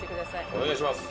お願いします。